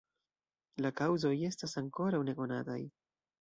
La kaŭzoj estas ankoraŭ nekonataj.